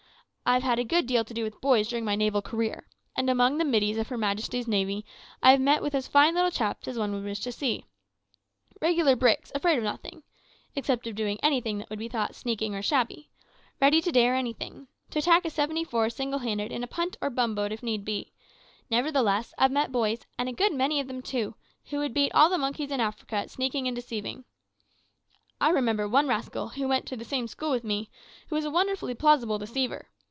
I've had a good deal to do with boys during my naval career, and among the middies of her Majesty's navy I have met with as fine little chaps as one would wish to see regular bricks, afraid of nothing (except of doing anything that would be thought sneaking or shabby), ready to dare anything to attack a seventy four single handed in a punt or a bumboat if need be; nevertheless, I've met boys, and a good many of them too, who would beat all the monkeys in Africa at sneaking and deceiving. I remember one rascal, who went to the same school with me, who was a wonderfully plausible deceiver.